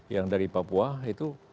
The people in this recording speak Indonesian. yang dari papua itu